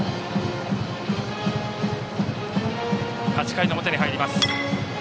８回の表に入ります。